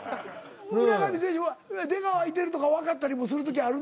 村上選手は出川いてるとかわかったりもする時あるの？